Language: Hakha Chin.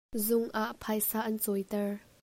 Zung ah phaisa an cawiter.